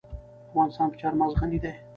افغانستان په چار مغز غني دی.